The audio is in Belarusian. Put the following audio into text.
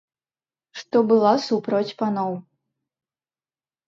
Што была супроць паноў.